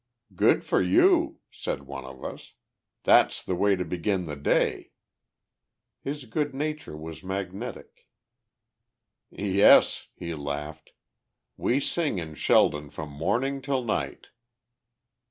"Good for you!" said one of us. "That's the way to begin the day." His good nature was magnetic. "Yes," he laughed, "we sing in Sheldon from morning till night."